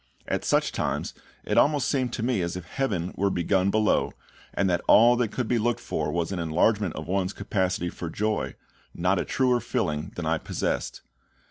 At such times it almost seemed to me as if heaven were begun below, and that all that could be looked for was an enlargement of one's capacity for joy, not a truer filling than I possessed.